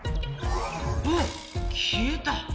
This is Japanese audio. おっ？きえた。